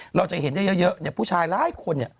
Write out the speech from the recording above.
เราจะเห็นเยอะผู้ชายร้ายคน